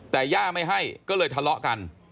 แต่ย่าไม่ให้ก็เลยทะเลาะกัน